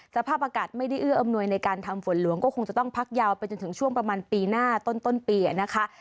สภาพอากาศไม่ได้เอื้ออำนวยในการทำฝนหลวงก็คงจะต้องพักยาวไปจนถึงช่วงประมาณปีหน้าต้นปีนะคะ